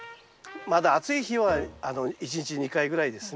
まだ暑い日は一日２回ぐらいですね。